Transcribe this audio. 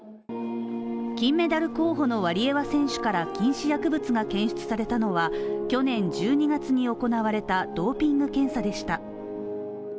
金メダル候補のワリエワ選手から禁止薬物が検出されたのは、去年１２月に行われたドーピング検査でした。